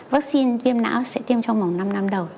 vaccine viêm não sẽ tiêm trong vòng năm năm đầu